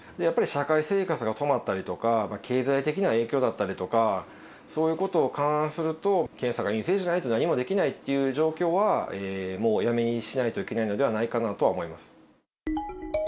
やっぱり社会生活が止まったりとか、経済的な影響だったりとか、そういうことを勘案すると、検査が陰性じゃないと何もできないっていう状況は、もうやめにしないといけないのではないかなとは思います。